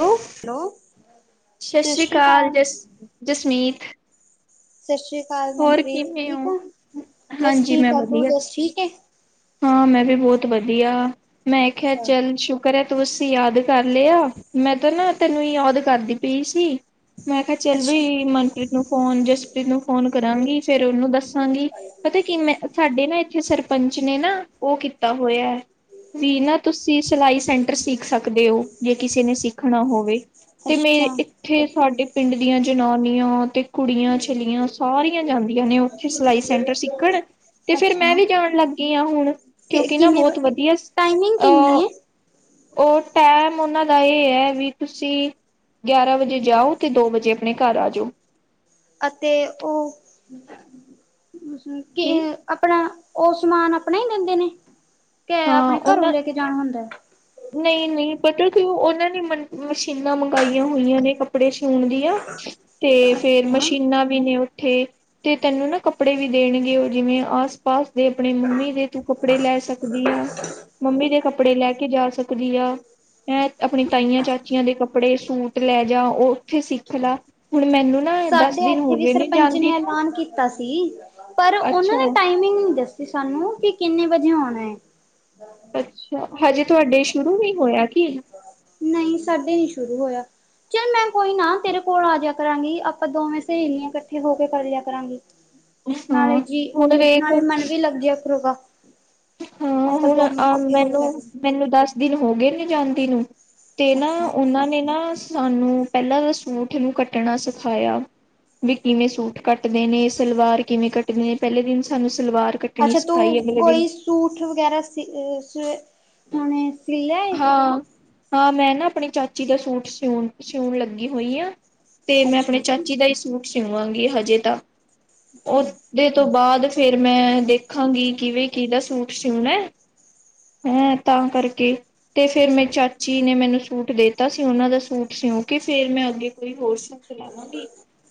Hello! ਸਤਿ ਸਤਿ ਸ੍ਰੀ ਸ਼੍ਰੀ ਅਕਾਲ ਜਸ ਜਸਮੀਤ। ਸਤਿ ਸ੍ਰੀ ਅਕਾਲ ਹੋਰ ਮਨਪ੍ਰੀਤ। ਕਿਵੇਂ ਠੀਕ ਹੋ ਆ, ਬਸ ਹਾਂਜੀ ਠੀਕ ਮੈਂ ਆ ਤੂੰ ਵਧੀਆ ਦੱਸ ਠੀਕ ਹੈ। ਹਾਂ ਮੈਂ ਵੀ ਬਹੁਤ ਵਧੀਆ, ਮੈਂ ਖਿਆ ਅੱਛਾ ਚੱਲ ਸੁ਼ ਕਰ ਆ ਤੂੰਸੀ ਯਾਦ ਕਰ ਲਿਆ, ਮੈਂ ਤਾਂ ਨਾ ਤੈਨੂੰ ਯਾਦ ਕਰਦੀ ਪਈ ਸੀ। ਮੈਂ ਕਿਹਾ ਚੱਲ ਅੱਛਾ ਵੀ ਮਨਪ੍ਰੀਤ ਨੂੰ ਫੋਨ, ਜਸਪ੍ਰੀਤ ਨੂੰ ਫੋਨ ਕਰਾਂਗੀ, ਫੇਰ ਉਹਨੂੰ ਦੱਸਾਂਗੀ। ਪਤਾ ਕਿਵੇਂ ਸਾਡੇ ਨਾ ਇੱਥੇ ਸਰਪੰਚ ਨੇ ਨਾ ਉਹ ਕੀਤਾ ਹੋਇਆ ਹੈ ਵੀ ਨਾ ਤੁਸੀਂ ਸਿਲਾਈ ਸੈਂਟਰ ਸਿੱਖ ਸਕਦੇ ਹੋ, ਜੇ ਕਿਸੇ ਨੇ ਸਿੱਖਣਾ ਹੋਵੇ। ਤੇ ਮੇਰੇ ਅੱਛਾ। ਇੱਥੇ ਸਾਡੇ ਪਿੰਡ ਦੀਆਂ ਜਨਾਨੀਆਂ ਤੇ ਕੁੜੀਆਂ ਛੇਲੀਆਂ ਸਾਰੀਆਂ ਜਾਂਦੀਆਂ ਨੇ ਉੱਥੇ ਸਿਲਾਈ ਸੈਂਟਰ ਸਿੱਖਣ ਤੇ ਫਿਰ ਮੈਂ ਅੱਛਾ ਵੀ ਜਾਣ ਲੱਗੀ ਹਾਂ ਹੁਣ, ਕਿ ਕਿਉਂਕਿ ਨਾ ਕਿੰਨੇ ਵ ਬਹੁਤ ਵਧੀਆ ਟਾਈਮਿੰਗ ਕਿੰਨੀ ਅਹ ਹੈ ਉਹ ਟਾਈਮ ਉਹਨਾਂ ਦਾ ਇਹ ਹੈ ਵੀ ਤੁਸੀਂ ਗਿਆਰਾਂ ਵਜੇ ਜਾਓ ਤੇ, ਦੋ ਵਜੇ ਆਪਣੇ ਘਰ ਆ ਜਾਓ। ਅਤੇ ਉਹ ਕਿ ਕੀ? ਆਪਣਾ, ਉਹ ਸਮਾਨ ਆਪਣਾ ਹੀ ਦਿੰਦੇ ਨੇ, ਕਿ ਹਾਂ ਆਪਣੇ ਘਰੋਂ ਉਹਨਾਂ ਲੈ ਕੇ ਜਾਣਾ ਹੁੰਦਾ। ਨਹੀਂ -ਨਹੀਂ ਪਤਾ ਕਿਂਉ ਉਹਨਾਂ ਨੇ ਮਸ਼ੀਨਾਂ ਮੰਗਾਈਆਂ ਹੋਈਆਂ ਨੇ ਕੱ ਕੱਪੜੇ ਸੂਣ ਦੀ ਆ ਤੇ ਫੇਰ ਅੱਛਾ ਮਸ਼ੀਨਾਂ ਵੀ ਨੇ ਉੱਥੇ। ਤੇ ਤੈਨੂੰ ਨਾ ਕੱਪੜੇ ਵੀ ਦੇਣਗੇ ਉਹ, ਜਿਵੇਂ ਆਸ -ਪਾਸ ਦੇ ਆਪਣੇ ਮੰਮੀ ਦੇ ਤੂੰ ਕੱਪੜੇ ਲੈ ਸਕ ਦੀ ਆ। ਮੰਮੀ ਦੇ ਕੱਪੜੇ ਲੈ ਕੇ ਜਾ ਸਕਦੀ ਆ। ਐ! ਆਪਣੀ ਤਾਈਆਂ, ਚਾਚੀਆਂ ਦੇ ਕੱਪੜੇ ਸੂਟ ਲੈ ਜਾ, ਉਹ ਉੱਥੇ ਸਿੱਖ ਲਾ। ਹੁਣ ਮੈਨੂੰ ਨਾ ਦਸ ਸਾਡੇ ਦਿਨ ਹੋ ਇੱਥੇ ਵੀ ਗਏ ਸਰਪੰਚ ਜਾਂਦੀ ਨੇ ਨੂੰ ਐਲਾਨ ਕੀਤਾ ਸੀ, ਪਰ ਉਹਨਾਂ ਨੇ ਅੱਛਾ ਟਾਈਮਿੰਗ ਨਹੀਂ ਦੱਸੀ ਸਾਨੂੰ ਕਿ ਕਿੰਨੇ ਵਜੇ ਆਉਣਾ ਹੈ। ਅੱਛਾ। ਹਜੇ ਤੁਹਾਡੇ ਸ਼ੁਰੂ ਨੀ ਹੋਇਆ ਕੀ? ਨਹੀਂ ਸਾਡੇ ਨੀ ਸ਼ੁਰੂ ਹੋਇਆ। ਚੱਲ ਮੈਂ ਕੋਈ ਨਾ ਤੇਰੇ ਕੋਲ ਆ ਜਿਆ ਕਰਾਂਗੀ, ਆਪਾਂ ਦੋਵੇਂ ਸਹੇਲੀਆਂ ਇਕੱਠੇ ਹੋ ਕੇ ਕਰ ਲਿਆ ਕਰਾਂਗੀ। ਨਾਲੇ ਹਾਂ ਜੀ, ਹੁਣ ਵੇਖ ਨਾਲੇ ਮਨ ਵੀ ਲੱਗ ਜਿਆ ਕਰੋਗਾ। ਹਾਂ ਹੁਣ ਆ, ਮੈਨੂੰ- ਮੈਨੂੰ ਦੱਸ ਦਿਨ ਹੋ ਗਏ ਨੇ ਜਾਂਦੀ ਨੂੰ, ਤੇ ਨਾ ਅੱਛਾ। ਉਹਨਾਂ ਨੇ ਨਾ ਸਾਨੂੰ ਪਹਿਲਾਂ ਦਾ ਸੂਠ ਨੂੰ ਕੱਟਣਾ ਸਿਖਾਇਆ। ਵੀ ਕਿਵੇਂ ਸੂਟ ਕੱਟਦੇ ਨੇ, ਸਲਵਾਰ ਕਿਵੇਂ ਕੱਟਦੇ ਨੇ, ਪਹਿਲੇ ਦਿਨ ਸਾਨੂੰ ਸਲਵਾਰ ਕੱਟਣੀ ਅੱਛਾ, ਤੂੰ ਸਿਖਾਈ ਅਗਲੇ ਦਿਨ ਕੋਈ ਸੂਟ ਵਗੈਰਾ ਸਿ ਸ ਖਣੇ ਹਾਂ-ਹਾਂ ਮੈਂ ਨਾ ਆਪਣੀ ਚਾਚੀ ਦਾ ਸੂਟ ਸਿਊਉਣ-ਸਿਊਉਣ ਲੱਗੀ ਹੋਈ ਆ ਤੇ ਮੈਂ ਆਪਣੇ ਅੱਛਾ ਚਾਚੀ ਦਾ ਹੀ ਸੂਟ ਸਿਉਵਾਂਗੀ ਹਜੇ ਤਾਂ ਉਹ ਅੱਛਾ ਦੇ ਤੋਂ ਬਾਅਦ ਫੇਰ ਮੈਂ ਦੇਖਾਂਗੀ ਕਿਵੇਂ ਕਿਦਾ ਸੂਟ ਸਿਊਣਾ ਏ ਹੇ ਤਾਂ ਕਰਕੇ ਤੇ ਫੇਰ ਮੇਰੀ ਚਾਚੀ ਨੇ ਮੈਨੂੰ ਸੂਟ ਦੇਤਾ ਸੀ, ਉਹਨਾਂ ਦਾ ਸੂਟ ਸਿਉ ਕੇ ਫੇਰ ਮੈਂ ਅੱਗੇ ਕੋਈ ਹੋਰ ਸ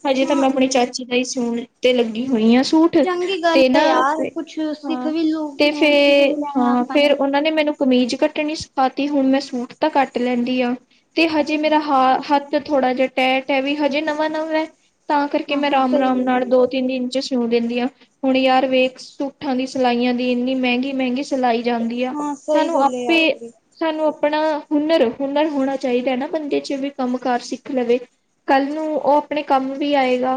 ਹਜੇ ਤਾਂ ਹਾਂ। ਮੈਂ ਆਪਣੀ ਚਾਚੀ ਦਾ ਹੀ ਸਣ ਤੇ ਲੱਗੀ ਹੋਈ ਹਾਂ ਸੁ ਸੂਠ ਚੰਗੀ ਗੱਲ ਤੇ ਐ ਨਾ ਯਾਰ ਕੁਛ ਸਿੱਖ ਹਾਂ ਵੀ ਲੂ ਤੇ ਫੇ ਸਿੱਖ ਵੀ ਲੈਣਾ ਹਾਂ ਆਪਾਂ ਫੇਰ ਉਹਨਾਂ ਨੇ ਮੈਨੂੰ ਕਮੀਜ਼ ਕੱਟਣੀ ਪਾਤੀ ਹੁਣ ਮੈਂ ਸੂਟ ਤਾਂ ਕੱਟ ਲੈਂਦੀ ਆ, ਤੇ ਹਜੇ ਅੱਛਾ ਮੇਰਾ ਹ ਹੱਥ ਥੋੜਾ ਜਿਹਾ ਟੈਟ ਵੀ ਹਜੇ ਨਵਾਂ-ਨਵਾਂ ਹੈ ਤਾਂ ਕਰਕੇ ਹਾਂ ਮੈਂ ਹਾਂ ਸਹੀ ਰਾਮ-ਰਾਮ ਗੱਲ ਨਾਲ ਦੋ ਐ ਤਿੰਨ ਦਿਨ ਚ ਧੂ ਲੇਂਦੀ ਆਂ, ਹੁਣ ਯਾਰ ਵੇਖ ਸੂਟਾਂ ਦੀ ਸਿਲਾਈਆਂ ਦੀ ਏਨੀ ਮੇਂਗੀ-ਮੇਂਗੀ ਚਲਾਈ ਜਾਂਦੀ ਆ, ਹਾਂ ਸਹੀ ਸਾਨੂੰ ਗੱਲ ਐ ਆਪੇ ਯਾਰ ਤੇਰੀ ਸਾਨੂੰ ਆਪਣਾ ਹੁਨਰ-ਹੁਨਰ ਹੋਣਾ ਚਾਈਦਾ ਨਾ ਬੰਦੇ ਚ ਵੀ ਕੰਮ ਕਾਰ ਸਿੱਖ ਲਵੇ ਕੱਲ ਨੂੰ ਓ ਆਪਣੇ ਕੰਮ ਵੀ ਆਏਗਾ।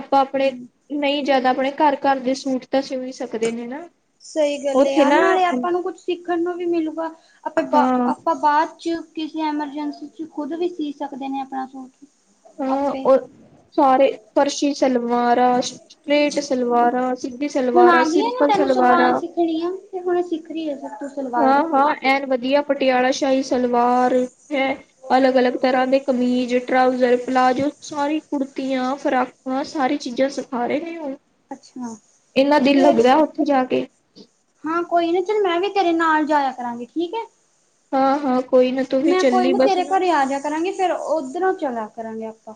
ਆਪਾਂ ਆਪਣੇ, ਹੂੰ। ਨਈ ਜ਼ਾਦਾ ਆਪਣੇ ਘਰ-ਘਰ ਦੇ ਸੂਟ ਤਾਂ ਸਿਓ ਸਕਦੇ ਨੇ ਨਾ। ਸਈ ਗੱਲ ਐ ਉੱਥੇ ਯਾਰ ਨਾ ਨਾਲੇ ਆਪਾਂ ਨੂੰ ਕੁਛ ਸਿੱਖਣ ਨੂੰ ਵੀ ਮਿਲੁਗਾ ਆਪਾਂ ਬਾ ਹਾਂ ਆਪਾਂ ਬਾਚ ਕਿਸੇ ਐਮਰਜੈਂਸੀ ਚ ਖੁਦ ਵੀ ਸੀ ਸਕਦੇ ਨੇ ਆਪਣਾ ਸੂਟ। ਆਪੇ ਓ ਅ ਸਾਰੇ ਫਰਸ਼ੀ ਸਲਵਾਰਾਂ ਸਟ੍ਰੇਟ ਸਲਵਾਰਾ, ਸਿੱਧੀ ਸਲਵਾਰਾ, ਗਈ ਹੈ ਨਾ ਸਿੰਪਲ ਤੈਨੂੰ ਸਲਵਾਰਾ ਸਲਵਾਰਾਂ ਹੋਣੀ ਆ, ਤੇ ਹੁਣ ਸਿੱਖਦੀ ਏ ਸਭ ਤੋ। ਹਾਂ-ਹਾਂ ਐਨ ਵੱਧੀਆ ਪਟਿਆਲਾ ਸ਼ਾਹੀ ਸਲਵਾਰ ਹੈ, ਅਲੱਗ-ਅਲੱਗ ਤਰ੍ਹਾਂ ਦੇ ਕਮੀਜ਼, ਟਰਾਊਜ਼ਰ, ਪਲਾਜ਼ੋ, ਸਾਰੀ ਕੁੜਤੀਆਂ, ਫਰਾਕਾਂ, ਸਾਰੀ ਚੀਜ਼ਾਂ ਸਿਖਾ ਰਹੇ ਨੇ ਓ। ਅੱਛਾ ਏਨਾ ਦਿਲ ਫੇਰ ਲੱਗਦਾ ਓੱਥੇ ਜਾ ਕੇ। ਹਾਂ ਕੋਈ ਨਾ ਚੱਲ ਮੈਂ ਵੀ ਤੇਰੇ ਨਾਲ ਜਾਏਆ ਕਰਾਂਗੀ ਠੀਕ ਐ। ਹਾਂ-ਹਾਂ ਕੋਈ ਨਾ ਤੂੰ ਵੀ ਮੈਂ ਕੋਈ ਚੱਲੀ ਨਾ ਬਸ ਤੇਰੇ ਘਰੇ ਆ ਜਾਏਆ ਕਰਾਂਗੇ ਫੇਰ ਓਧਰੋਂ ਚਲਾ ਕਰਾਂਗੇ ਆਪਾਂ।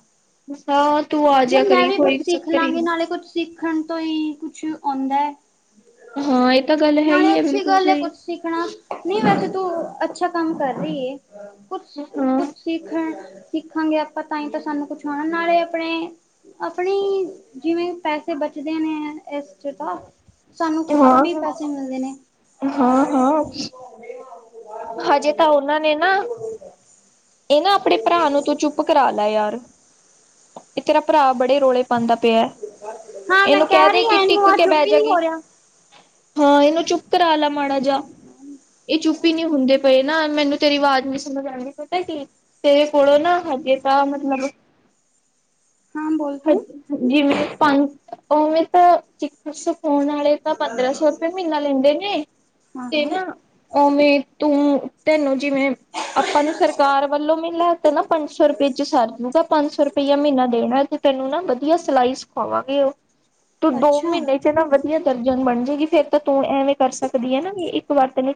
ਮਸਾ ਤੁ ਆਈ ਯਾਰ ਮੈਂ ਵੀ ਕੁੱਛ ਸਿੱਖ ਲਾਂਗੀ ਨਾਲੇ ਕੁਛ ਸਿੱਖਣ ਤੋਂ ਈ ਕੁੱਛ ਓਂਦਾ। ਹਾਂ ਇਹ ਤਾਂ ਗੱਲ ਹੈ ਨਾਲੇ ਹੀ ਹੈ ਅੱਛੀ ਬਿਲਕੁਲ ਗਲ ਏ ਸਹੀ ਕੁਛ ਸਿੱਖਣਾ, ਨਈ ਵੈਸੇ ਤੂੰ ਅੱਛਾ ਕੰਮ ਕਰ ਰਈ ਏ ਹਾਂ-ਹਾਂ, ਕੁੱਛ-ਕੁੱਛ ਸਿੱਖਣ- ਸਿੱਖਾਂਗੇ ਆਪਾਂ ਤਾਂ ਈ ਤਾਂ ਸਾਨੂੰ ਕੁਛ ਓਨਾ ਨਾਲੇ ਆਪਣੇ ਆਪਣੇ ਜਿਵੇਂ ਪੈਸੇ ਬਚਦੇ ਨੇ ਐ ਏਸ ਚ ਤਾਂ, ਸਾਨੂੰ ਆਪੇ ਪੈਸੇ ਮਿਲਦੇ ਨੇ। ਹਾਂ-ਹਾਂ। ਹਜੇ ਤਾਂ ਓਨਾਂ ਨੇ ਨਾ ਏ ਨਾ ਆਪਣੇ ਭਰਾ ਨੂੰ ਤੂੰ ਚੁੱਪ ਕਰਾ ਲੈ ਯਾਰ ਏ ਤੇਰਾ ਭਰਾ ਬੜੇ ਰੌਲੇ ਪਾਂਦਾ ਪੇਆ, ਹਾਂ ਮੈਂ ਏਨੂੰ ਕਹਿ ਕੈਦੇ ਰਹੀ ਕਿ ਹਾਂ ਇਹਨੂੰ ਟਿੱਕ ਆ ਕੇ ਚੁੱਪ ਹੀ ਬੈਜਾ ਨਹੀਂ ਕੀ ਹੋ ਰਿਹਾ ਹਾਂ ਏਨੂੰ ਚੁੱਪ ਕਰਾਲਾ ਮਾੜਾ ਜੇਆ, ਏ ਚੁੱਪ ਵੀ ਨੀ ਹੁੰਦੇ ਪਏ ਨਾ, ਮੈਨੂੰ ਤੇਰੀ ਵਾਜ਼ ਨੀ ਸਮਝ ਆਂਦੀ ਪਤਾ ਕੀ ਤੇ ਥੋੜਾ ਨਾ ਹਜੇ ਤਾਂ ਮਤਲਬ ਹਾਂ ਬੋਲ ਤੂੰ ਜੀਵੇ ਪੰਜ ਓ ਤਾ ਸਿੱਖ ਪਰ ਸਖੋਣ ਵਾਲੇ ਤਾਂ ਪੰਦਰਾਂ ਸੌ ਰੁਪਏ ਮੀਨਾ ਲੇਂਦੇ ਨੇ, ਹਾਂ ਤੇ ਹਾਂ ਨਾ ਓਵੇ ਤੂੰ, ਤੇਨੂੰ ਜਿਵੇਂ ਆਪਾਂ ਨੂੰ ਸਰਕਾਰ ਵੱਲੋਂ ਮਿਲਣਾ ਤੇ ਨਾ ਪੰਜ ਸੌ ਰੁਪਏ ਚ ਸਰਜੂਗਾ ਪੰਜ ਸੌ ਰੁਪਈਆ ਮੀਨਾ ਦੇਣਾ ਤੇਨੂੰ ਨਾ ਵੱਧੀਆ ਸਿਲਾਈ ਸਿਖਾਵਾਂਗੇ ਓ, ਤੂੰ ਦੋ ਅੱਛਾ ਮੀਨੇ ਤੇ ਨਾ ਵੱਧੀਆ ਦਰਜਨ ਬਣ ਜੇਗੀ ਫੇਰ ਤਾਂ ਤੂੰ ਐਵੇਂ ਕਰ ਸਕਦੀ ਐ ਨਾ ਵੀ ਇੱਕ ਵਾਰ ਤੇਨੂੰ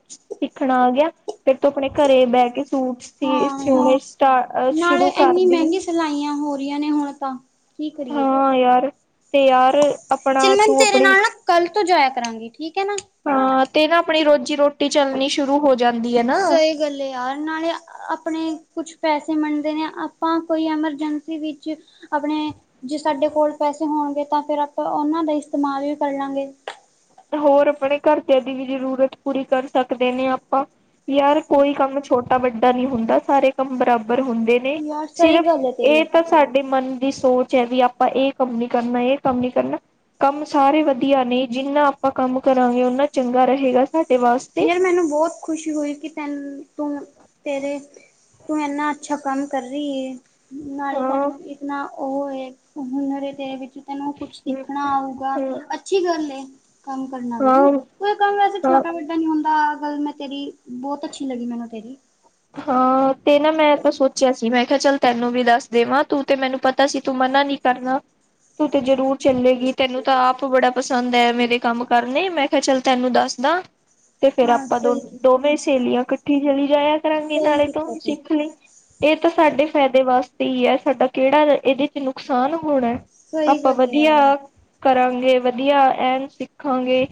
ਖਾਣਾ ਆ ਗੇਆ ਫੇਰ ਤੂੰ ਆਪਣੇ ਘਰੇ ਬੈਕੇ ਸੂਟ ਸੀ ਹਾਂ ਯਾਰ ਸਿਓਣੇ ਸਟਾਟ ਅ ਸ਼ੁਰੂ ਕਰਦੀ। ਸਲਾਈਆਂ ਹੋ ਰਈਆਂ ਨੇ ਹੁਣ ਆਪਾ ਕੀ ਕਰੀਏ। ਹਾਂ ਯਾਰ ਤੇ ਯਾਰ ਚਲ ਆਪਣਾ ਮੈ ਤੂੰ ਤੇਰੇ ਆਪਣੀ ਨਾਲ ਨਾ ਕੱਲ ਤੋਂ ਜਾਏਆ ਕਰਾਂਗੀ ਠੀਕ ਐ ਨਾ? ਹਾਂ ਤੇ ਨਾ ਆਪਣੀ ਰੋਜ਼ੀ -ਰੋਟੀ ਚੱਲਣੀ ਸ਼ੁਰੂ ਹੋ ਜਾਂਦੀ ਐ ਨਾ। ਚਲ ਯਾਰ, ਨਾਲੇ ਆਪਣੇ ਕੁਛ ਪੈਸੇ ਬਣਦੇ ਨੇਂ, ਆਪਾਂ ਕੋਈ ਐਮਰਜੈਂਸੀ ਵਿੱਚ ਆਪਣੇ, ਜੇ ਸਾਡੇ ਕੋਲ ਪੈਸੇ ਹੋਣਗੇ ਤਾਂ ਫ਼ੇਰ ਆਪਾਂ ਓਨਾਂ ਦਾ ਇਸਤੇਮਾਲ ਵੀ ਕਰਲਾ ਗੇ। ਤੇ ਹੋਰ ਆਪਣੇ ਘਰਦੇਆਂ ਦੀ ਵੀ ਜ਼ਰੂਰਤ ਪੂਰੀ ਕਰ ਸਕਦੇ ਨੇਂ ਆਪਾਂ। ਯਾਰ ਕੋਈ ਕੰਮ ਛੋਟਾ-ਵੱਡਾ ਨੀਂ ਹੁੰਦਾ, ਸਾਰੇ ਕੰਮ ਬਰਾਬਰ ਹੁੰਦੇ ਨੇ, ਯਾਰ ਸਹੀ ਸਿਰਫ਼ ਗੱਲ ਹੈ ਇਹ ਤੇਰੀ ਤਾਂ ਸਾਡੇ ਮਨ ਦੀ ਸੋਚ ਸੋਚ ਐ, ਵੀ ਆਪਾਂ ਇਹ ਕੰਮ ਨੀਂ ਕਰਨਾ, ਇਹ ਕੰਮ ਨੀਂ ਕਰਨਾ, ਕੰਮ ਸਾਰੇ ਵਧੀਆ ਨੇਂ ਜਿੰਨਾ ਆਪਾਂ ਕੰਮ ਕਰਾਂਗੇ ਉਹਨਾਂ ਚੰਗਾ ਰਹੇਗਾ ਸਾਡੇ ਵਾਸਤੇ। ਯਾਰ ਮੈਨੂੰ ਬਹੁਤ ਖੁਸ਼ੀ ਹੋਈ ਕਿ ਤੈਨੂੰ ਤੂੰ ਤੇਰੇ ਤੂੰ ਇੰਨਾ ਅੱਛਾ ਕੰਮ ਕਰ ਰਹੀ ਏ। ਨਾਲੇ ਹਾਂ ਤੈਨੂੰ ਇਤਨਾ ਉਹ ਏ ਹੁਨਰ ਏ ਤੇਰੇ ਵਿੱਚ। ਤੈਨੂੰ ਕੁਛ ਸਿੱਖਣਾ ਆਊਗਾ, ਹਾਂ ਅੱਛੀ ਗੱਲ ਏ ਕੰਮ ਕਰਨਾ ਵੀ। ਕੋਈ ਕੰਮ ਵੈਸੇ ਹਾਂ ਛੋਟਾ-ਵੱਡਾ ਡਾ ਨੀਂ ਹੁੰਦਾ ਆਹ ਗੱਲ ਮੈਂ ਤੇਰੀ, ਬਹੁਤ ਅੱਛੀ ਲੱਗੀ ਮੈਨੂੰ ਤੇਰੀ। ਹਾਂ, ਤੇ ਨਾਂ ਮੈਂ ਤਾਂ ਸੋਚਿਆ ਸੀ ਮੈਂ ਕਿਹਾ ਚੱਲ ਤੈਨੂੰ ਵੀ ਦੱਸ ਦੇਵਾਂ ਤੂੰ ਤੇ ਮੈਨੂੰ ਪਤਾ ਸੀ ਤੂੰ ਮਨਾ ਨੀਂ ਕਰਨਾ। ਤੂੰ ਤੇ ਜਰੂਰ ਚੱਲੇਗੀ, ਤੈਨੂੰ ਤਾਂ ਆਪ ਬੜਾ ਪਸੰਦ ਐ ਮੇਰੇ ਕੰਮ ਕਰਨੇ, ਮੈਂ ਕਿਹਾ ਚੱਲ ਤੈਨੂੰ ਦੱਸਦਾ। ਤੇ ਫੇਰ ਹਾਂ ਆਪਾਂ ਸਹੀ ਕੀ ਦੋ-ਦੋਵੇਂ ਹਾਂ ਸਹੇਲੀਆਂ ਇਕੱਠੀ ਚਲੀ ਜਾਇਆ ਕਰਾਂਗੇ, ਸਹੀ ਨਾਲੇ ਤੂੰ ਕੀਤਾ ਵੀ ਸਿੱਖ ਲੀ, ਇਹ ਤਾਂ ਸਾਡੇ ਫਾਇਦੇ ਵਾਸਤੇ ਈ ਐ, ਸਾਡਾ ਕਿਹੜਾ ਇਹਦੇ ਚ' ਨੁਕਸਾਨ ਹੋਣਾ। ਸਹੀ ਆਪਾਂ ਗੱਲ ਏ ਵਧੀਆ ਯਾਰ ਕਰਾਂਗੇ, ਵਧੀਆ ਐਨ ਸਿੱਖਾਂਗੇ,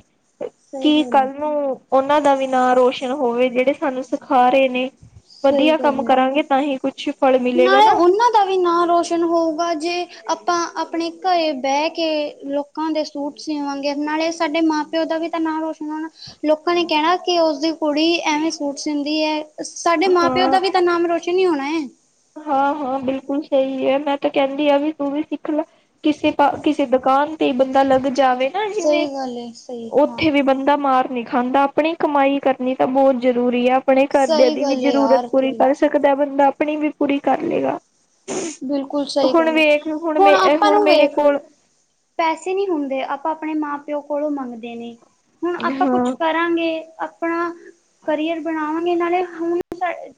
ਸਹੀ ਕੀ ਗੱਲ ਏ ਕੱਲ ਨੂੰ ਉਹਨਾਂ ਦਾ ਵੀ ਨਾਂ ਰੋਸ਼ਨ ਹੋਵੇ ਜਿਹੜੇ ਸਾਨੂੰ ਸਿਖਾ ਰਹੇ ਨੇਂ। ਸਹੀ ਵਧੀਆ ਕੰਮ ਗੱਲ ਏ। ਕਰਾਂਗੇ ਤਾਂ ਹੀ ਕੁਛ ਫਲ ਮਿਲੇਗਾ ਨਾਲੇ ਨਾ ਉਹਨਾਂ ਦਾ ਵੀ ਨਾਂ ਰੌ ਰੋਸ਼ਨ ਹੋਊਗਾ ਜੇ ਆਪਾਂ ਆਪਣੇ ਘਰੇ ਬਹਿ ਕੇ ਲੋਕਾਂ ਦੇ ਸੂਟ ਸਿਵਾਂਗੇ, ਨਾਲੇ ਸਾਡੇ ਮਾਂ-ਪਿਓ ਦਾ ਵੀ ਤਾਂ ਨਾਂ ਰੋਸ਼ਨ ਹੋਣਾ। ਲੋਕਾਂ ਨੇ ਕਹਿਣਾ ਕਿ ਉਸਦੀ ਕੁੜੀ ਐਵੇਂ ਸੂਟ ਸੀਂਦੀ ਐ। ਸਾਡੇ ਮਾਂ-ਪਿਓ ਦਾ ਹਾਂ ਵੀ ਤਾਂ ਨਾਮ ਰੋਸ਼ਨ ਈ ਹੋਣਾ ਐ। ਹਾਂ-ਹਾਂ ਬਿਲਕੁਲ ਸਹੀ ਐ ਮੈਂ ਤਾਂ ਕਹਿੰਦੀ ਆ ਵੀ ਤੂੰ ਵੀ ਸਿੱਖ ਲਾ। ਕਿਸੇ ਪਾ, ਕਿਸੇ ਦੁਕਾਨ ਤੇ ਈ ਬੰਦਾ ਲੱਗ ਜਾਵੇ ਨਾਂ ਸਹੀ ਜਿਵੇਂ, ਗੱਲ ਹੈ ਸਹੀ ਹਾਂ ਉੱਥੇ ਵੀ ਬੰਦਾ ਮਾਰ ਨੀਂ ਖਾਂਦਾ। ਆਪਣੀ ਕਮਾਈ ਕਰਨੀ ਤਾਂ ਬਹੁਤ ਜ਼ਰੂਰੀ ਆਂ, ਆਪਣੇ ਘਰਦਿਆਂ ਸਹੀ ਦੀ ਵੀ ਗੱਲ ਹੈ ਜ਼ਰੂਰਤ ਯਾਰ ਪੂਰੀ ਤੇਰੀ ਕਰ ਸ ਸਕਦਾ ਬੰਦਾ, ਆਪਣੀ ਵੀ ਪੂਰੀ ਕਰ ਲਏਗਾ। ਬਿਲਕੁਲ ਸਹੀ ਹੁਣ ਗੱਲ ਐ, ਵੇਖ ਹੁਣ ਮੇ ਆਪਾਂ ਨੂੰ ਮੇਰੇ ਵੇਖ ਕੋਲ ਪੈਸੇ ਨਹੀਂ ਹੁੰਦੇ, ਆਪਾਂ-ਆਪਣੇ ਮਾਂ-ਪਿਓ ਕੋਲੋਂ ਮੰਗਦੇ ਨੇਂ ਹੁਣ ਆਪਾਂ ਕੁਛ ਹਾਂ-ਹਾਂ ਕਰਾਂਗੇ, ਆਪਣਾ ਕਰੀਅਰ ਬਣਾਵਾਂਗੇ ਨਾਲੇ, ਹੁਣ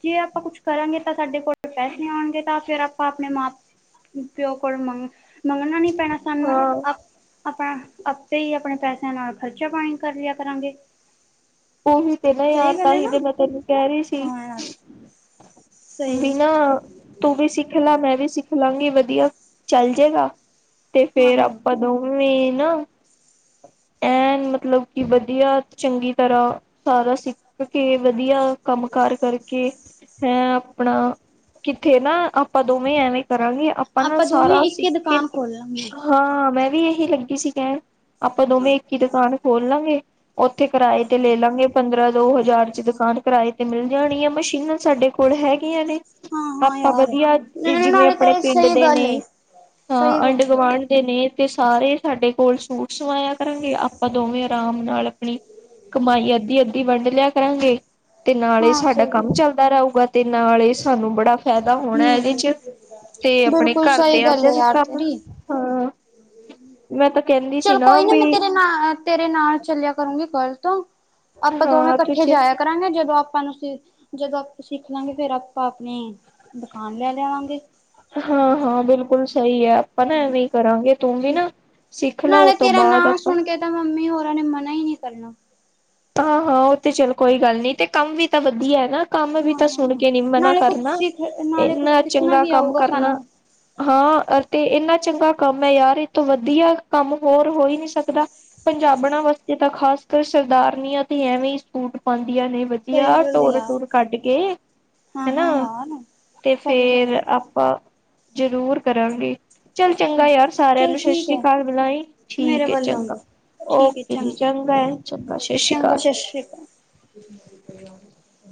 ਜੇ ਆਪਾਂ ਕੁਛ ਕਰਾਂਗੇ ਤਾਂ ਸਾਡੇ ਕੋਲ ਪੈਸੇ ਆਉਣਗੇ ਤਾਂ ਫ਼ੇਰ ਆਪਾਂ ਆਪਣੇ ਮਾਂ-ਪਿਓ ਕੋਲੋਂ ਮੰਗ-ਮੰਗਣਾ ਨੀਂ ਪੈਣਾ ਸਾਨੂੰ। ਆਪਣਾ, ਆਪੇ ਈ ਆਪਣੇ ਪੈਸਿਆਂ ਨਾਲ ਖਰਚਾ-ਪਾਣੀ ਕਰ ਲਿਆ ਕਰਾਂਗੇ। ਉਹੀ ਤੇ ਨਾ ਸਹੀ ਯਾਰ ਗੱਲ ਹੈ ਤਾਂਹੀ ਨਾ ਤੇ ਮੈਂ ਤੈਨੂੰ ਕਹਿ ਰਹੀ ਸੀ। ਹਾਂ ਯਾਰ ਵੀ ਸਹੀ ਨਾ ਤੂੰ ਵੀ ਸਿੱਖ ਲਾ, ਮੈਂ ਵੀ ਸਿੱਖ ਲਾਂਗੀ, ਵਧੀਆ ਚੱਲ ਜੇਗਾ ਤੇ ਹਾਂ ਫੇਰ ਯਾਰ ਆਪਾਂ ਦੋਵੇਂ ਨਾ ਐਨ ਮਤਲਬ ਕਿ ਵਧੀਆ, ਚੰਗੀ ਤਰ੍ਹਾਂ ਸਾਰਾ ਸਿੱਖ ਕੇ, ਵਧੀਆ ਕੰਮ-ਕਾਰ ਕਰਕੇ, ਹੈਂ ਆਪਣਾ ਕਿੱਥੇ ਨਾਂ ਆਪਾਂ ਦੋਵੇਂ ਐਵੇਂ ਕਰਾਂਗੇ ਆਪਾਂ ਨਾਂ ਦੋਵੇਂ ਸਾਰਾ ਇੱਕ ਸਿੱਖ ਹੀ ਕੇ ਦੁਕਾਨ ਖੋਲ ਲਾਂਗੇ ਹਾਂ ਮੈਂ ਵੀ ਇਹੀ ਲੱਗੀ ਸੀ ਕਹਿਣ, ਆਪਾਂ ਹਾਂ ਦੋਵੇਂ ਇੱਕ ਈ ਦੁਕਾਨ ਖੋਲ ਲਾਂਗੇ। ਉੱਥੇ ਕਿਰਾਏ ਤੇ ਲੈ ਲਾਂਗੇ ਪੰਦਰਾਂ-ਦੋ ਹਜ਼ਾਰ ਚ' ਦੁਕਾਨ। ਕਿਰਾਏ ਤੇ ਮਿਲ ਜਾਣੀਆਂ, ਮਸ਼ੀਨਾਂ ਸਾਡੇ ਕੋਲ ਹੈਗੀਆਂ ਨੇ। ਹਾਂ ਹਾਂ ਆਪਾਂ ਯਾਰ ਵਧੀਆ, ਜਿਵੇਂ ਨਾਲੇ ਤਾਂ ਆਪਣੇ ਇਹ ਪਿੰਡ ਸਹੀ ਦੇ ਗੱਲ ਏ ਨੇਂ, ਹਾਂ ਸਹੀ ਗੱਲ ਏ। ਆਂਢ-ਗੁਆਂਢ ਦੇ ਨੇ ਤੇ ਸਾਰੇ ਸਾਡੇ ਕੋਲ ਸੂਟ ਸਵਾਇਆ ਕਰਾਂਗੇ ਆਪਾਂ ਦੋਵੇਂ ਆਰਾਮ ਨਾਲ ਆਪਣੀ ਕਮਾਈ ਅੱਧੀ-ਅੱਧੀ ਵੰਡ ਲਿਆ ਕਰਾਂਗੇ। ਤੇ ਨਾਲੇ ਈ ਹਾਂ ਸਾਡਾ ਸਹੀ ਕੰਮ ਚੱਲਦਾ ਰੳਗਾ, ਤੇ ਨਾਲੇ ਈ ਸਾਨੂੰ ਬੜਾ ਫੈਦਾ ਹੋਣਾ ਇਦੇ ਹਮ ਚ ਤੇ ਆਪਣੇ ਬਿਲਕੁਲ ਘਾਰ ਸਹੀ ਦੇ ਗੱਲ ਆਉਂਦੇ ਹੈ ਨੇ ਯਾਰ ਕੰਮ ਤੇਰੀ ਹਾਂ ਮੈਂ ਤਾਂ ਕੈਂਨੀ ਚਲੋ ਕੋਈ ਨੀ, ਮੈਂ ਤੇਰੇ ਨਾਲ ਤੇਰੇ ਨਾਲ ਚੱਲਿਆ ਕਰੂੰਗੀ ਕੱਲ ਤੋਂ, ਆਪਾਂ ਦੋਵੇਂ ਹਾਂ ਤੂੰ ਇਕੱਠੇ ਚ ਜਾਇਆ ਕਰ ਕਰਾਂਗੇ। ਜਦੋਂ ਆਪਾਂ ਨੂੰ ਜਦੋਂ ਆਪਾਂ ਸਿੱਖ ਲਾਂਗੇ, ਫੇਰ ਆਪਾਂ ਆਪਨੀ ਦੁਕਾਨ ਲੈ ਲਿਵਾਂਗੇ। ਹਾਂ- ਹਾਂ ਬਿਲਕੁਲ ਸਈ ਐ। ਆਪਾਂ ਨਾ ਐਵੇਂ ਈ ਕਰਾਂਗੇ, ਤੂੰ ਵੀ ਠੀਕ ਨਾ ਸਿੱਖ ਲੈ ਨਾਲੇ ਉਤੋਂ ਤੇਰਾ ਨਾਂ ਬਾਦ ਆਪਾਂ ਸੁਣ ਕੇ ਤਾਂ ਮੰਮੀ ਹੋਰਾਂ ਨੇ ਮਨਾ ਈ ਨੀ ਕਰਨਾ ਹਾਂ-ਹਾਂ, ਉ ਤੇ ਚੱਲ ਕੋਈ ਗੱਲ ਨੀ ਤੇ ਕੰਮ ਵੀ ਤਾਂ ਵਧੀਆ ਐ ਨਾ ਕੰਮ ਵੀ ਹਾਂ ਤਾਂ ਹਾਂ ਸੁਣ ਕੇ ਨੀ ਮਨਾ ਨਾਲੇ ਕੁੱਝ ਕਰਨਾ, ਸਿੱਖ ਨਾਲੇ ਕੁੱਝ ਇੰਨਾ ਸਿੱਖਣਾ ਚੰਗਾ ਵੀ ਕੰਮ ਆਊਗਾ ਕਰਨਾ ਸਾਨੂੰ ਹਾਂ ਤੇ ਇੰਨਾ ਚੰਗਾ ਕੰਮ ਏ ਯਾਰ ਇਤੋ ਵਧੀਆ ਕੰਮ ਹੋਰ ਹੋ ਈ ਨੀ ਸਕਦਾ। ਪੰਜਾਬਣ ਵਾਸਤੇ ਤਾਂ ਖਾਸ ਕਰ ਸਰਦਾਰਨੀਆਂ ਤੇ ਐਵੇਂ ਈ ਸੂਟ ਪਾਂਦੀਆਂ ਨੇ ਵ ਸਹੀ ਵਧੀਆ ਗੱਲ ਹੈ ਟੋਰ ਯਾਰ ਟੂਰ ਕੱਢ ਕੇ, ਹਾਂ ਹਾਂ ਹਨਾ ਯਾਰ ਤੇ ਸਹੀ ਫੇਰ ਗੱਲ ਹੈ ਆਪ ਪਾਂ ਜ਼ਰੂਰ ਕਰਾਂਗੇ। ਚੱਲ ਚੰਗਾ ਯਾਰ, ਸਾਰਿਆਂ ਚਲ ਨੂੰ ਸਸ ਠੀਕ ਸ਼੍ਰੀ ਹੈ ਕਾਲ ਬੁਲਾਈ, ਮੇਰੇ ਠੀਕ ਏ ਵੱਲੋਂ ਚੰਗਾ। ਵੀ ਠੀਕ ਹੈ ਓਕੇ ਜੀ‌ ਚੰਗਾ ਏ ਚੰਗਾ ਜੀ। ਚੰਗਾ ਸਸ ਸੀ ਕਾਲ।